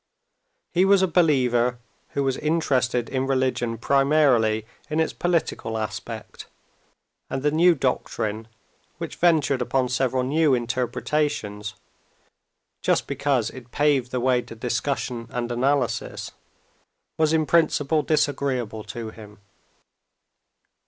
He was a believer, who was interested in religion primarily in its political aspect, and the new doctrine which ventured upon several new interpretations, just because it paved the way to discussion and analysis, was in principle disagreeable to him.